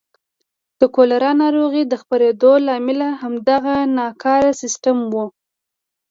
د کولرا ناروغۍ خپرېدو لامل همدغه ناکاره سیستم و.